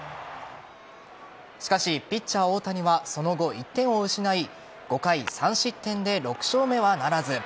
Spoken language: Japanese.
しかし、ピッチャー・大谷はその後、１点を失い５回３失点で６勝目はならず。